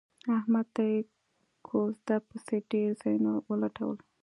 احمد ته یې کوزده پسې ډېر ځایونه ولټول